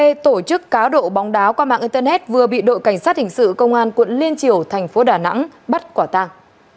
một tụ điểm cà phê tổ chức cáo độ bóng đá qua mạng internet vừa bị đội cảnh sát hình sự công an quận liên triều thành phố đà nẵng bắt quả tàng